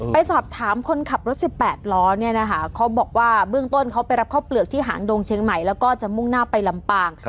ไปสอบถามคนขับรถ๑๘ล้อเนี่ยนะคะเขาบอกว่าเบื้องต้นเขาไปรับข้าวเปลือกที่หางดงเชียงใหม่แล้วก็จะมุ่งหน้าไปลำปาง